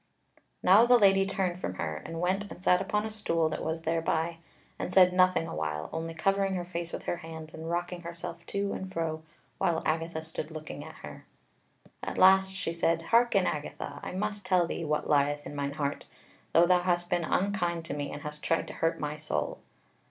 Now the Lady turned from her, and went and sat upon a stool that was thereby, and said nothing a while; only covering her face with her hands and rocking herself to and fro, while Agatha stood looking at her. At last she said: "Hearken, Agatha, I must tell thee what lieth in mine heart, though thou hast been unkind to me and hast tried to hurt my soul.